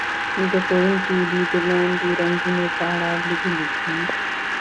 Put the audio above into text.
زده کوونکي دې د لاندې رنګونو په اړه ولیکي.